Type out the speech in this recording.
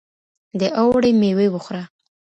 د اوړي مېوې وخوره